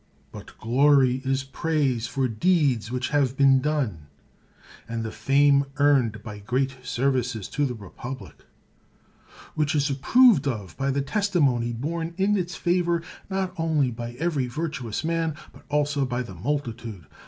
But glory is praise for deeds which have been done, and the fame earned by great services to the republic ; which is approved of by the testimony borne in its favor, not only by every virtuous man, but also by the multitude.